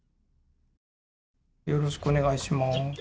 よろしくお願いします。